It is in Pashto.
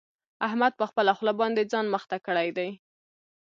احمد په خپله خوله باندې ځان مخته کړی دی.